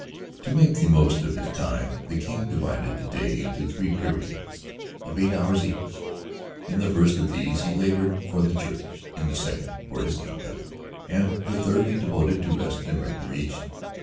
To make the most of his time, the King divided the day into three periods of eight hours each. In the first of these he labored for the Church; in the second for his kingdom, and the third was devoted to rest and recreation.